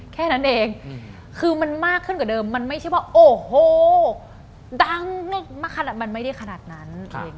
แค่นั้นเองคือมันมากขึ้นกว่าเดิมมันไม่ใช่ว่าโอ้โหดังมากขนาดมันไม่ได้ขนาดนั้น